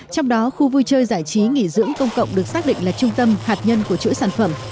trong đó khu vui chơi giải trí nghỉ dưỡng công cộng được xác định là trung tâm hạt nhân của chuỗi sản phẩm